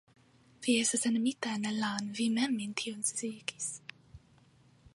Vi estas enamita en Ella'n vi mem min tion sciigis.